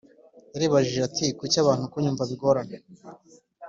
Yaribajije ati kuki abantu kunyumva bibagora